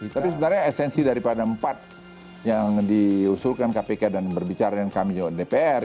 tapi sebenarnya esensi daripada empat yang diusulkan kpk dan berbicara dengan kami jawab dpr